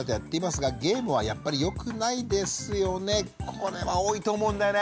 これは多いと思うんだよね。